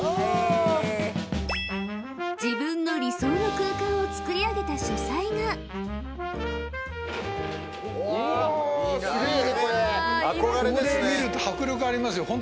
［自分の理想の空間を作り上げた書斎が］ごめんなさい。